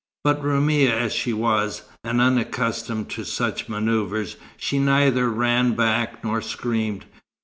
But Roumia as she was, and unaccustomed to such manoeuvres, she neither ran back nor screamed.